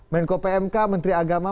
menko pmk menteri agama